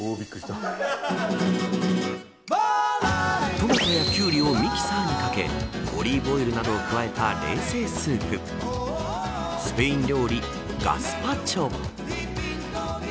トマトやキュウリをミキサーにかけオリーブオイルなどを加えた冷製スープスペイン料理、ガスパチョ。